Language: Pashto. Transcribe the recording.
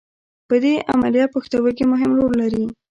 په دې عملیه پښتورګي مهم رول لري.